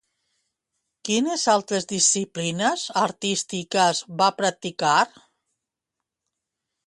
Quines altres disciplines artístiques va practicar?